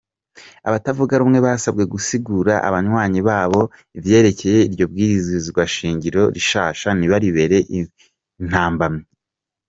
Abatavuga rumwe basabwe gusigurira abanywanyi babo ivyerekeye iryo bwirizwa shingiro rishasha, ntibaribere intambamyi.